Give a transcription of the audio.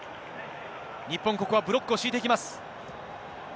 日本、ここはブロックを敷いていきます。